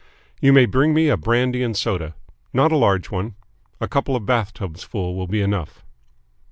You may bring me a brandy and soda. Not a large one. A couple of bath tubs full will be enough."